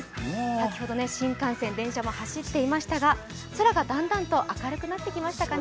先ほど新幹線、電車も走っていましたが空がだんだんと明るくなってきましたかね。